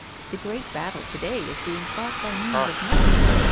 The great battle to day is being fought by means of money.